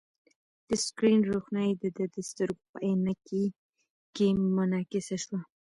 د سکرین روښنايي د ده د سترګو په عینکې کې منعکسه شوه.